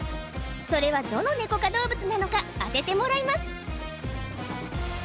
それはどのネコ科動物なのか当ててもらいます